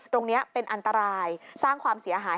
ตรงนี้เป็นอันตรายสร้างความเสียหาย